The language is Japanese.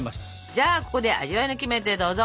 じゃあここで味わいのキメテどうぞ！